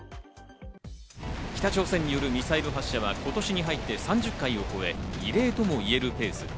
北朝鮮によるミサイル発射は今年に入って３０回を超え、異例とも言えるペース。